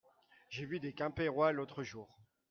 J'ai vu des Quimpérois l'autre jour.